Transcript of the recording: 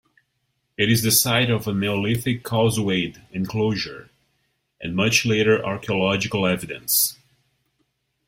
It is the site of a Neolithic causewayed enclosure and much later archaeological evidence.